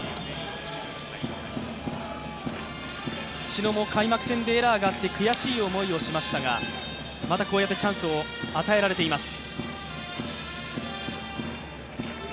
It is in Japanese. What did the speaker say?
知野も開幕戦でエラーがあって悔しい思いをしましたが、またこうやってチャンスを与えられています。